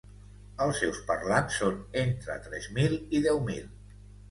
Els seus parlants són entre tres mil i deu mil.